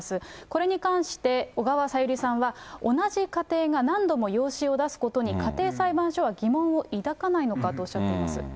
これに関して、小川さゆりさんは、同じ家庭が何度も養子を出すことに、家庭裁判所は疑問を抱かないのかとおっしゃっています。